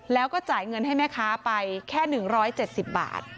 แล้วก็จ่ายเงินให้แม่ค้าไปแค่หนึ่งร้อยเจ็ดสิบบาท